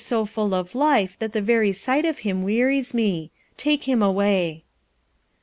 so full of life that the very sight of hj m w * me. Take him away."